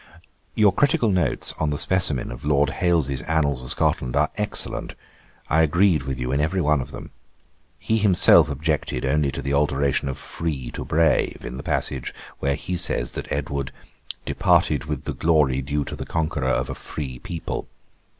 'Your critical notes on the specimen of Lord Hailes's Annals of Scotland are excellent, I agreed with you in every one of them. He himself objected only to the alteration of free to brave, in the passage where he says that Edward "departed with the glory due to the conquerour of a free people."